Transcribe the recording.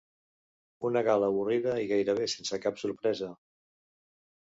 Una gala avorrida i gairebé sense cap sorpresa.